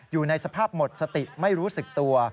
อยู่ในสภาพหมดสติไม่รู้สึกตัว